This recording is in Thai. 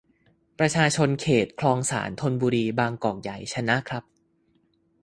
ประชาชนเขต คลองสาน ธนบุรี บางกอกใหญ ชนะครับ